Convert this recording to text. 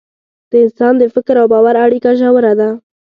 د انسان د فکر او باور اړیکه ژوره ده.